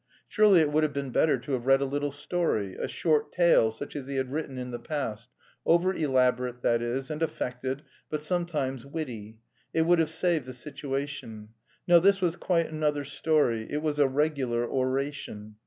Surely it would have been better to have read a little story, a short tale such as he had written in the past over elaborate, that is, and affected, but sometimes witty. It would have saved the situation. No, this was quite another story! It was a regular oration!